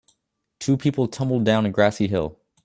Two people tumble down a grassy hill